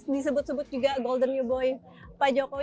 dikhari juga golden new boy pak jokowi